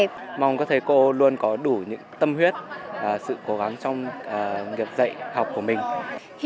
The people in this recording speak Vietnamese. chúc các thầy cô luôn luôn mạnh khỏe và ngày càng trẻ trung sinh